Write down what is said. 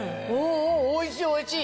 おいしいおいしい！